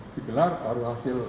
digelar baru hasil